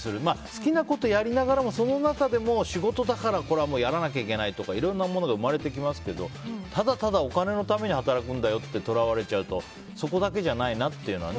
好きなことをやりながらもその中でも仕事だからこれはやらなきゃいけないとかいろんなものが生まれてきますけどただただ、お金のために働くんだよってことにとらわれちゃうとそこだけじゃないなっていうのは。